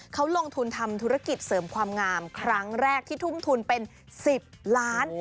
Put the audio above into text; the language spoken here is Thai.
เขาลงทุนทำธุรกิจเสริมความงามครั้งแรกที่ทุ่มทุนเป็น๑๐ล้าน